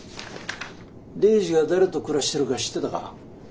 レイジが誰と暮らしてるか知ってたか？